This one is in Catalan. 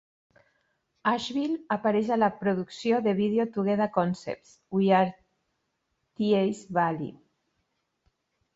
Ashville apareix a la producció de vídeo Together Concepts "We Are...Teays Valley".